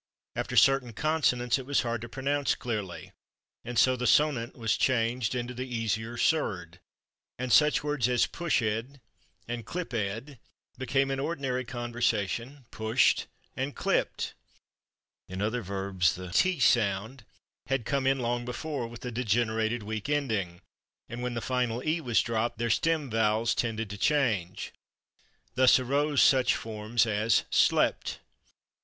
After certain consonants it was hard to pronounce clearly, and so the sonant was changed into the easier surd, and such words as /pushed/ and /clipped/ became, in ordinary conversation, /pusht/ and /clipt/. In other verbs the /t/ sound had come in long before, with the degenerated weak ending, and when the final /e/ was dropped their stem vowels tended to change. Thus arose such forms as /slept